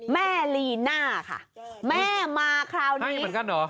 ลีน่าค่ะแม่มาคราวนี้มีเหมือนกันเหรอ